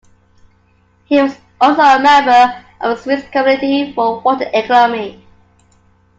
He was also a member of the Swiss Committee for Water Economy.